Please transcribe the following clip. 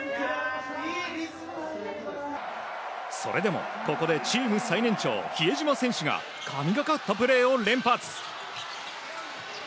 それでもここでチーム最年長、比江島選手が神がかったプレーを連発。